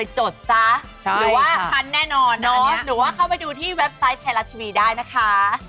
อาจารย์หากล่าวขอบพระคุณมากครับ